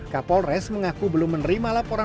kapolres mengaku belum menerima laporan polisian jawa barat